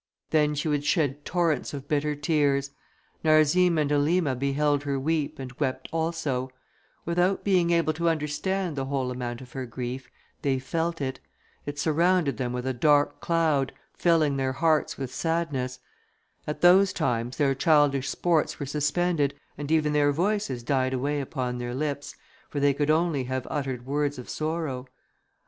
Then she would shed torrents of bitter tears. Narzim and Elima beheld her weep, and wept also: without being able to understand the whole amount of her grief, they felt it; it surrounded them with a dark cloud, filling their hearts with sadness; at those times their childish sports were suspended, and even their voices died away upon their lips, for they could only have uttered words of sorrow.